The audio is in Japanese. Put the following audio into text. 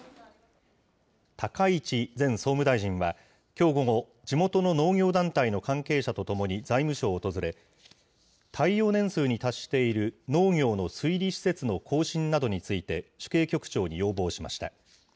高市前総務大臣はきょう午後、地元の農業団体の関係者と共に財務省を訪れ、耐用年数に達している農業の水利施設の更新などについて主計局長に要望しました。